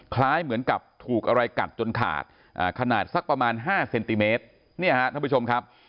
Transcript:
คล้ายเหมือนกับถูกอะไรกัดจนขาดขนาดสักประมาณ๕เซนติเมตรเนี่ยฮะท่านผู้ชมครับ